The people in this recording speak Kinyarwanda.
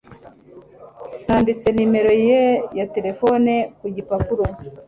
Nanditse nimero ye ya terefone ku gipapuro.